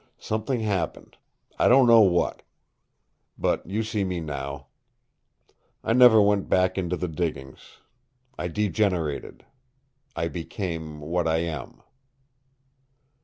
Something happened. I don't know what. But you see me now. I never went back into the diggings. I degenerated. I became what I am."